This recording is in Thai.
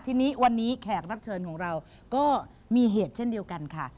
ทีนี้วันนี้แขกรับเชิญของเราก็มีเหตุเช่นเดียวกันค่ะ